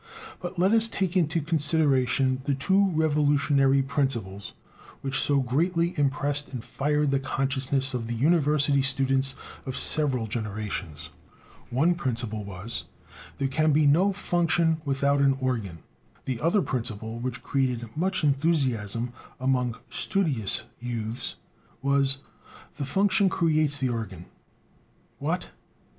But let us take into consideration the two revolutionary principles which so greatly impressed and fired the consciousness of the university students of several generations. One principle was: "There can be no function without an organ." The other principle which created much enthusiasm among studious youths was: "The function creates the organ." What!